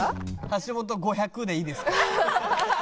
橋本５００でいいですか？